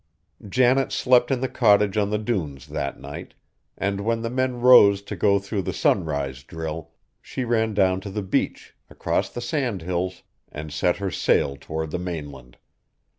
Janet slept in the cottage on the dunes that night; and when the men rose to go through the sunrise drill, she ran down the beach, across the sand hills, and set her sail toward the mainland.